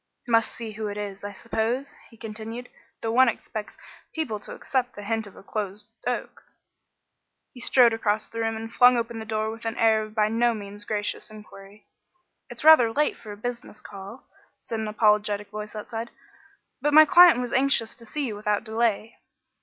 "Must see who it is, I suppose," he continued, "though one expects people to accept the hint of a closed oak." He strode across the room and flung open the door with an air of by no means gracious inquiry. "It's rather late for a business call," said an apologetic voice outside, "but my client was anxious to see you without delay."